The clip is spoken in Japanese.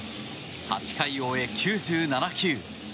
８回を終え９７球。